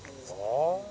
ああ。